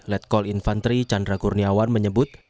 letkol infantri chandra kurniawan menyebut